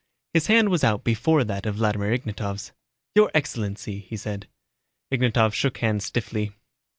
His hand was out before that of Vladimir Ignatov's. "Your Excellency," he said. Ignatov shook hands stiffly.